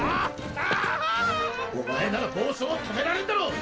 お前なら暴走を止められんだろ！